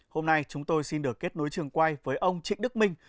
hôm nay chúng tôi xin được kết nối trường quay với ông trịnh đức minh